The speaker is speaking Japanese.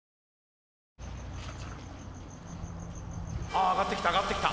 あ上がってきた上がってきた。